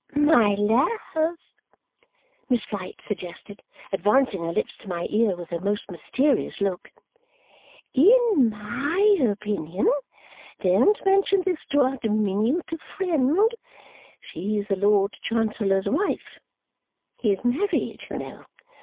"My love," Miss Flite suggested, advancing her lips to my ear with her most mysterious look, "in MY opinion don't mention this to our diminutive friend she's the Lord Chancellor's wife. He's married, you know.